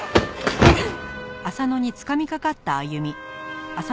うっ！